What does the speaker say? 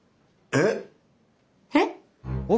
えっ！？